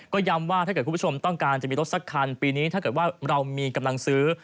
ก็ย้ำว่าถ้าเกิดคุณผู้ชมต้องการจะมีรถสักคันปีนี้ถ้าเกิดว่าเรามีกำลังซื้อ